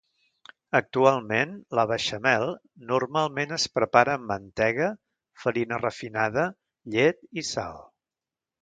Actualment la beixamel normalment es prepara amb mantega, farina refinada, llet, i sal.